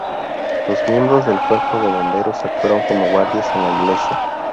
Los miembros del Cuerpo de bomberos actuaron como guardias en la iglesia.